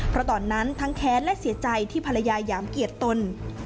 เพราะตอนนั้นทั้งแค้นและเสียใจที่ภรรยาหยามเกียรติตน